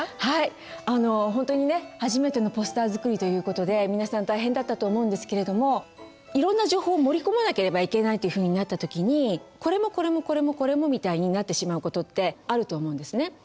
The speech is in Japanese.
はいあの本当にね初めてのポスター作りという事で皆さん大変だったと思うんですけれどもいろんな情報を盛り込まなければいけないというふうになった時にこれもこれもこれもこれもみたいになってしまう事ってあると思うんですね。